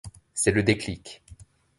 C'est le déclic.